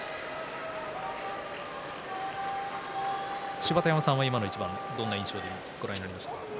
芝田山さんは今の一番どのような印象でご覧になりましたか。